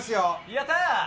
やったー！